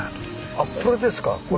あっこれですかこれ。